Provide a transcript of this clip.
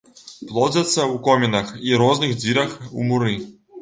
Плодзяцца ў комінах і розных дзірах у муры.